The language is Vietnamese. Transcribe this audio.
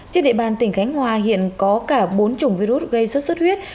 trên địa bàn tỉnh khánh hòa hiện có cả bốn chủng virus gây sốt xuất huyết